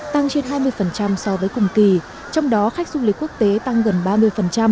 tăng trên hai mươi so với cùng kỳ trong đó khách du lịch quốc tế tăng gần ba mươi